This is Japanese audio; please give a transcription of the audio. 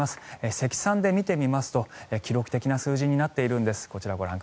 積算で見ると記録的な数字になっているんです。